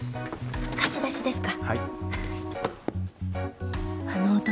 ・貸し出しですか？